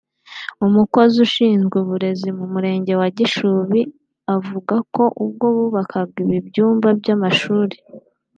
umukozi ushinzwe uburezi mu murenge wa Gishubi avuga ko ubwo bubakaga ibi byumba by’amashuri